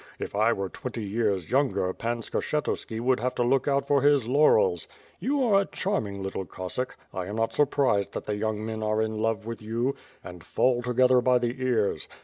If I were twenty years younger, Pan Skshctuski would have to look out for his laurels. You are a charming little Cossack; I am not sur prised that the young men are in love with you, and fall to gether by the ears.